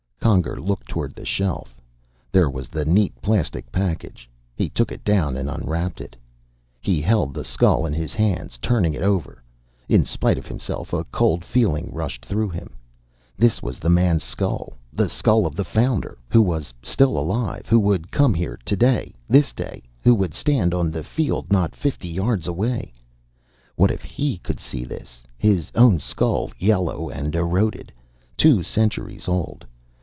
Conger looked toward the shelf. There was the neat plastic package. He took it down and unwrapped it. He held the skull in his hands, turning it over. In spite of himself, a cold feeling rushed through him. This was the man's skull, the skull of the Founder, who was still alive, who would come here, this day, who would stand on the field not fifty yards away. What if he could see this, his own skull, yellow and eroded? Two centuries old.